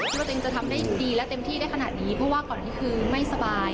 ว่าตัวเองจะทำได้ดีและเต็มที่ได้ขนาดนี้เพราะว่าก่อนนี้คือไม่สบาย